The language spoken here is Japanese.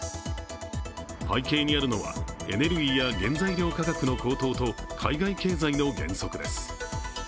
背景にあるのはエネルギーや原材料価格の高騰と海外経済の減速です。